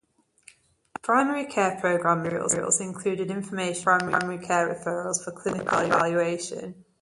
Primary care program materials included information on primary care referrals for clinical evaluation.